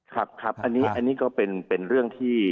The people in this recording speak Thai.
ครับครับอันนี้ก็เป็นเรื่องที่